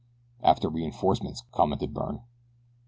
"After reinforcements," commented Byrne.